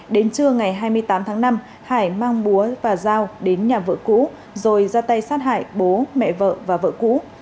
đến trưa ngày hai mươi tám tháng năm hải mang búa và giao đến nhà vợ cũ rồi ra tay sát hại bố mẹ vợ và vợ cũ